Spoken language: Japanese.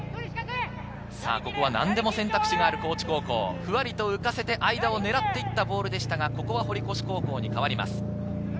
何でも選択肢がある高知高校、ふわりと浮かせて間を狙っていったボールでしたが堀越高校に変わります。